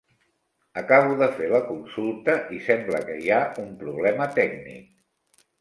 Acabo de fer la consulta i sembla que hi ha un problema tècnic.